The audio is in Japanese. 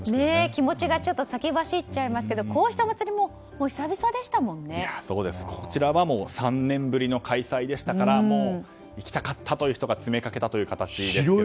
気持ちが先走っちゃいますけどこうしたお祭りも３年ぶりの開催でしたから行きたかったという人が詰めかけたという感じですね。